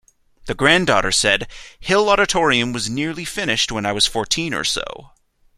The granddaughter said: Hill Auditorium was nearly finished when I was fourteen or so.